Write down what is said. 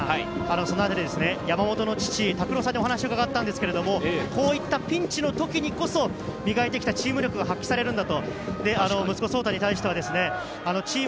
山本の父・たくろうさんにお話を伺ったんですけれど、こういったピンチの時にこそ磨いてきたチーム力が発揮されるんだと。